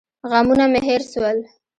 غمونه مې هېر سول.